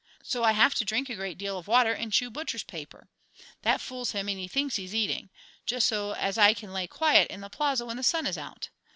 So I have to drink a great deal of water and chew butcher's paper. That fools him and he thinks he's eating. Just so as I can lay quiet in the Plaza when the sun is out.